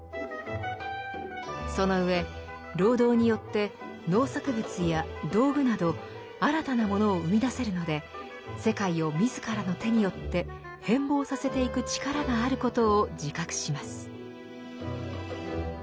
その上労働によって農作物や道具など新たなものを生み出せるので世界を自らの手によって変貌させていく力があることを自覚します。